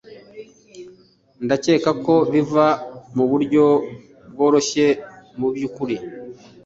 Ndakeka ko biva muburyo bworoshye, mubyukuri.